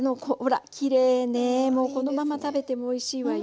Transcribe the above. このまま食べてもおいしいわよ。